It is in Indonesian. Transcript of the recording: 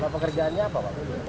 pekerjaannya apa pak